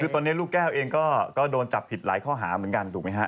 คือตอนนี้ลูกแก้วเองก็โดนจับผิดหลายข้อหาเหมือนกันถูกไหมฮะ